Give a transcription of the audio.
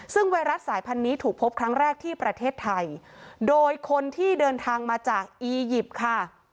ซึ่งไวรัสสายพันธุ์นี้ถูกพบครั้งแรกที่ประเทศไทยโดยคนที่เดินทางมาจากอียิปต์ค่ะ